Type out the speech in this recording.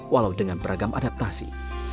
walau dengan beragam adaptasi